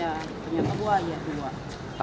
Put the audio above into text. ada buaya dua